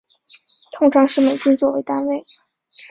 通常是美金做为单位。